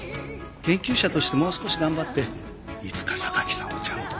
研究者としてもう少し頑張っていつか榊さんをちゃんと。